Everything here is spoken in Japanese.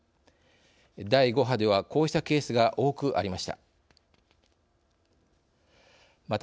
第５波ではこうしたケースが多くありました。